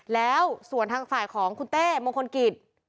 แล้วส่วนทางฝ่ายของคุณเต้มงคลกิจ